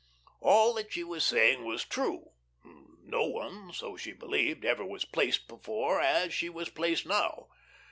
All that she was saying was true. No one, so she believed, ever was placed before as she was placed now.